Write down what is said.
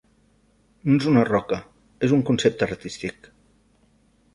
No és una roca, és un concepte artístic.